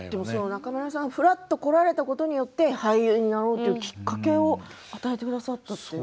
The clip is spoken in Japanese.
中村さんがふらっと来られたことによって俳優になろうというきっかけを与えてくださったと。